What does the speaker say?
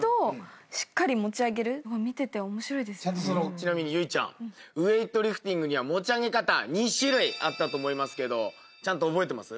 ちなみに有以ちゃんウエイトリフティングには持ち上げ方２種類あったと思いますけどちゃんと覚えてます？